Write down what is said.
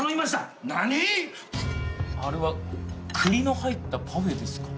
何⁉あれは栗の入ったパフェですかね。